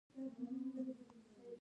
سیاست له منځه یوسي